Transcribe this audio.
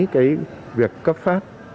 cái việc cấp phát